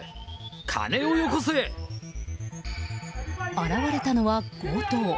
現れたのは強盗。